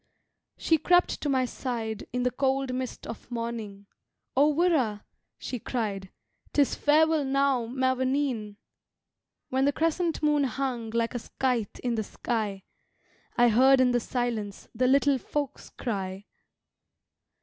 She crept to my side In the cold mist of morning. "O wirra" she cried, "'Tis farewell now, mavourneen! When the crescent moon hung Like a scythe in the sky, I heard in the silence The Little Folks cry.